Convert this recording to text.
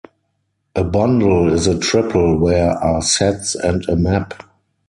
A bundle is a triple where are sets and a map.